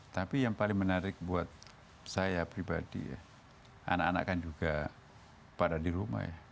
tapi yang paling menarik buat saya pribadi ya anak anak kan juga pada di rumah ya